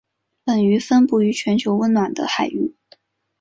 本鱼分布于全球温暖的海域。